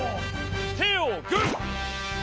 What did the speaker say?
てをグッ！